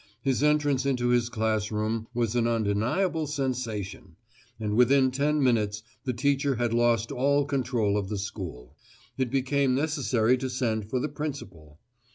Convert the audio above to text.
His entrance into his classroom was an undeniable sensation, and within ten minutes the teacher had lost all control of the school. It became necessary to send for the principal.